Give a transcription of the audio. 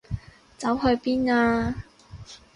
走去邊啊？